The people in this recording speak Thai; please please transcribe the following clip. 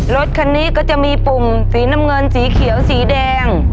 รถคันนี้ก็จะมีปุ่มสีน้ำเงินสีเขียวสีแดง